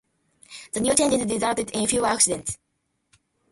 The new changes resulted in fewer accidents.